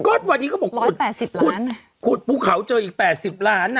เป็นให้เช่าเนี่ยเกี่ยวว่าคุณภูเขาเจอ๘๐ล้าน